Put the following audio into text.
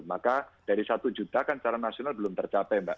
maka dari satu juta kan secara nasional belum tercapai mbak